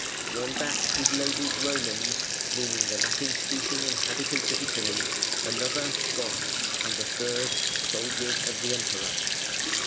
One batch was labelled "Romans" (meaning the Latin speaking inhabitants of Italy), another "Goths", and the third "Soldiers of the Emperor".